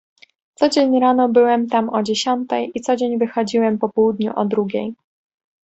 "Codzień rano byłem tam o dziesiątej i codzień wychodziłem popołudniu o drugiej."